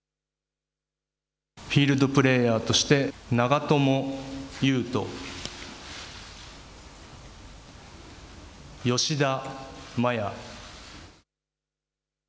フィールドプレーヤーとして長友佑都、吉田麻也。